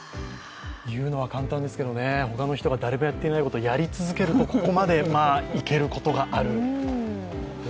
言うのは簡単ですけどね、他の人が誰もやっていないことをやり続けるとここまでいけることがある。